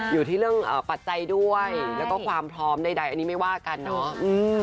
อยู่ที่เรื่องปัจจัยด้วยแล้วก็ความพร้อมใดอันนี้ไม่ว่ากันเนาะ